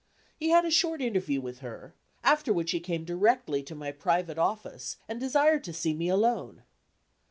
He had a short interview with her, after which he came directly to my private office and desired to see me alone.